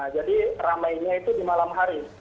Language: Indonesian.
jadi ramainya itu di malam hari